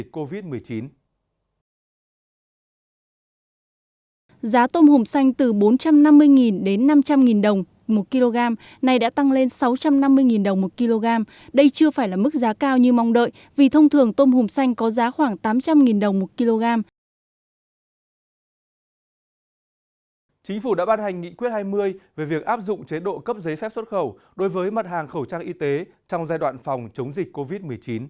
chính phủ đã ban hành nghị quyết hai mươi về việc áp dụng chế độ cấp giấy phép xuất khẩu đối với mặt hàng khẩu trang y tế trong giai đoạn phòng chống dịch covid một mươi chín